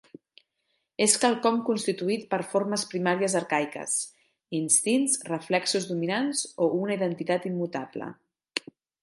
És quelcom constituït per formes primàries arcaiques: instints, reflexos dominants o una identitat immutable.